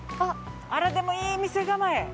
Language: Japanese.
あらでもいい店構え。